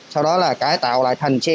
sau đó là cải tạo lại thành xe